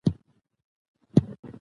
ادارې باید خپلواکه کار وکړي